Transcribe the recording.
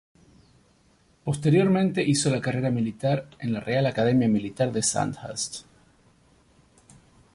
Posteriormente hizo la carrera militar en la Real Academia Militar de Sandhurst.